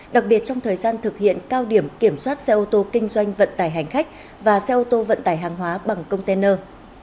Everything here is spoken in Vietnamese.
đặc biệt trong thời gian thực hiện cao điểm kiểm soát xe ô tô kinh doanh vận tải hành khách và xe ô tô vận tải hàng hóa bằng container